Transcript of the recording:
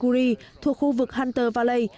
kyrgyzstan thuộc khu vực hunter valley